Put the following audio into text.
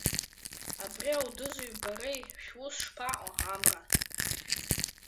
Абри Алдызи бареи шәус шԥаҟоу, Амра?